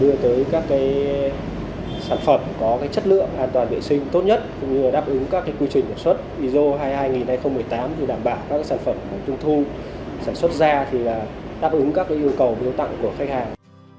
để làm sao là đưa tới các cái sản phẩm có cái chất lượng an toàn vệ sinh tốt nhất cũng như là đáp ứng các cái quy trình sản xuất iso hai trăm hai mươi hai nghìn một mươi tám thì đảm bảo các cái sản phẩm trung thu sản xuất ra thì là đáp ứng các cái yêu cầu biếu tặng của khách hàng